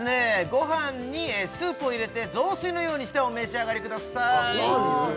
ご飯にスープを入れて雑炊のようにしてお召し上がりください